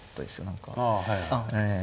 何かええ